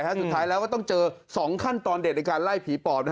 สุดท้ายแล้วก็ต้องเจอ๒ขั้นตอนเด็ดในการไล่ผีปอบ